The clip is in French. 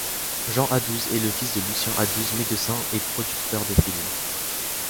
Jean Audouze est le fils de Lucien Audouze, médecin et producteur de films.